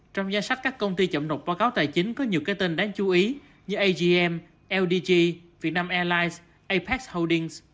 trong danh sách các công ty chậm nộp báo cáo tài chính có nhiều cái tên đáng chú ý như agm ldg vietnam airlines apac holdings